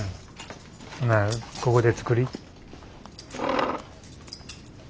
ほなここで作り。